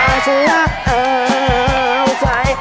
จำได้ฉันอยากเอาใจ